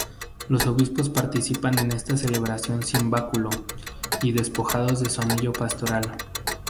Los obispos participan en esta celebración sin báculo y despojados de su anillo pastoral.